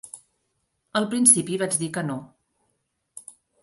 Al principi vaig dir que no.